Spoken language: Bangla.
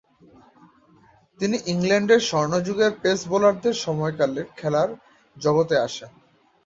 তিনি ইংল্যান্ডের স্বর্ণযুগের পেস বোলারদের সময়কালে খেলার জগতে আসেন।